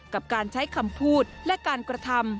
กับการใช้คำพูดและการกระทำ